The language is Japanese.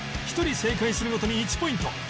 １人正解するごとに１ポイント